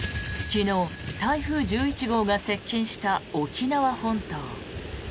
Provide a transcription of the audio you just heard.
昨日、台風１１号が接近した沖縄本島。